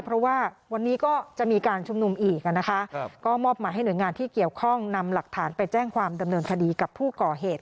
เพราะว่าวันนี้ก็จะมีการชุมนุมอีกนะคะก็มอบหมายให้หน่วยงานที่เกี่ยวข้องนำหลักฐานไปแจ้งความดำเนินคดีกับผู้ก่อเหตุ